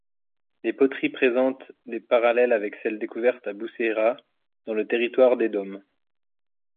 Les poteries présentent des parallèles avec celles découvertes à Buṣeirah, dans le territoire d'Édom.